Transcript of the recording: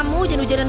kek cerewet aku